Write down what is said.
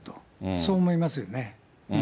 そう思いますよね。